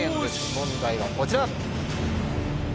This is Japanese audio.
問題はこちら。